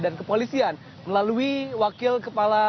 dan kepolisian melalui wakil kepala polda dpr ini